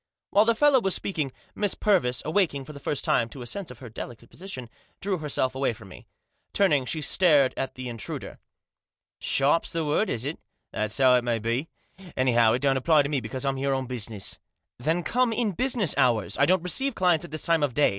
While the fellow was speaking, Miss Purvis, awaking, for the first time, to a sense of her delicate position, drew herself away from me. Turning, she stared at the intruder. " Sharp's the word, is it ? That's how it may be. Anyhow, it don!t apply to me, because Pm here on business." ," Then come in business hours. I don't receive clients at this time of day.